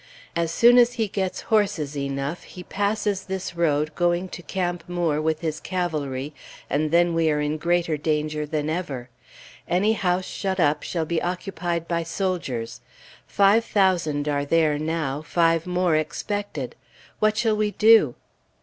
As soon as he gets horses enough, he passes this road, going to Camp Moore with his cavalry, and then we are in greater danger than ever. Any house shut up shall be occupied by soldiers. Five thousand are there now, five more expected. What shall we do?